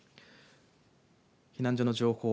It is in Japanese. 避難所の情報。